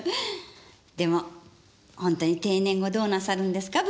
でも本当に定年後どうなさるんですか？